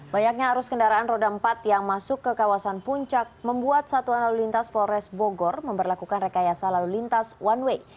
banyaknya arus kendaraan roda empat yang masuk ke kawasan puncak membuat satuan lalu lintas polres bogor memperlakukan rekayasa lalu lintas one way